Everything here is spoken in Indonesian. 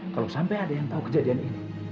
kalau sampai ada yang tahu kejadian ini